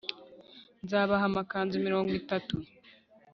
nzabaha amakanzu mirongo itatu